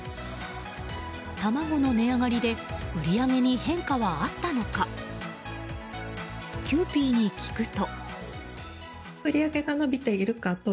卵の値上がりで売り上げに変化はあったのかキユーピーに聞くと。